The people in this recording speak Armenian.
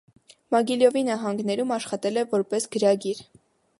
Մոգիլյովի նահանգում աշխատել է որպես գրագիր։